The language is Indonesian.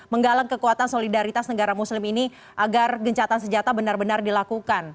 menggalang kekuatan solidaritas negara muslim ini agar gencatan senjata benar benar dilakukan